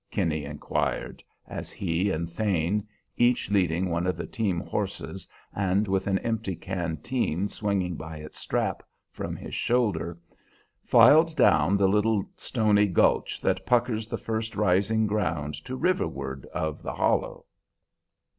Kinney inquired, as he and Thane, each leading one of the team horses, and with an empty canteen swinging by its strap from his shoulder, filed down the little stony gulch that puckers the first rising ground to riverward of the hollow.